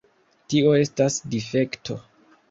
Tio estas difekto.